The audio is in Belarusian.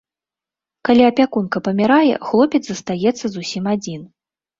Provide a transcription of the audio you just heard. Калі апякунка памірае, хлопец застаецца зусім адзін.